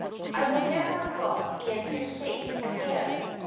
I will never look in his face again.